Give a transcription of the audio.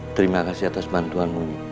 terima kasih atas bantuanmu